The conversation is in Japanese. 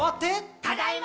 ただいま！